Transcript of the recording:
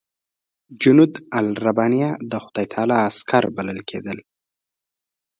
جنودالربانیه د خدای تعالی عسکر بلل کېدل.